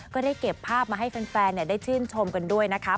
ก็ได้เก็บภาพมาให้แฟนได้ชื่นชมกันด้วยนะคะ